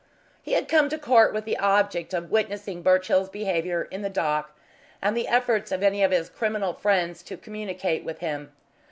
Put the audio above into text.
He had come to court with the object of witnessing Birchill's behaviour in the dock and the efforts of any of his criminal friends to communicate with him.